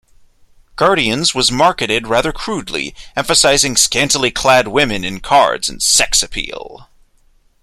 Guardians was marketed rather crudely, emphasizing scantily-clad women in cards and sex appeal.